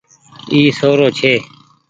اي سو رو ڇي۔